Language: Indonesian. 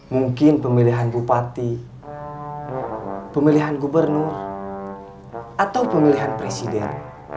mungkin pemilihan bupati pemilihan gubernur atau pemilihan presiden